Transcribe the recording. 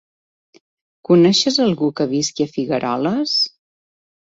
Coneixes algú que visqui a Figueroles?